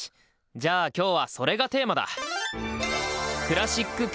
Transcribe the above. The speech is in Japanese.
じゃあ今日はそれがテーマだ！